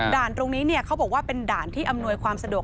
ตรงนี้เขาบอกว่าเป็นด่านที่อำนวยความสะดวก